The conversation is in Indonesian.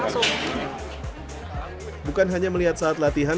masyarakat juga akan melihat timnas latihan